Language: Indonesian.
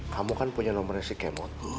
kamu kan punya nomornya si kemot